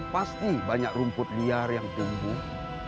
pasti banyak rumput liar yang tumbuh